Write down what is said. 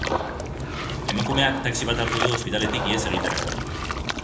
Emakumeak taxi bat hartu du ospitaletik ihes egiterakoan.